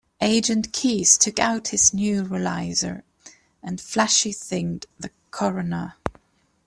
Agent Keys took out his neuralizer and flashy-thinged the coroner.